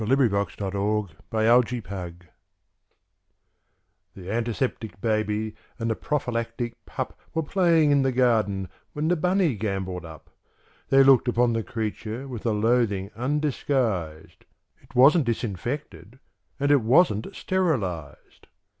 Arthur Guiterman Strictly Germ proof THE Antiseptic Baby and the Prophylactic Pup Were playing in the garden when the Bunny gamboled up; They looked upon the Creature with a loathing undisguised;Ś It wasn't Disinfected and it wasn't Sterilized.